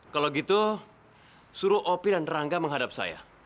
kalau gitu suruh opi dan rangga menghadap saya